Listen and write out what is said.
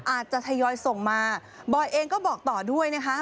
อาจจะทยอยส่งมาบอยเองก็บอกต่อด้วยนะคะ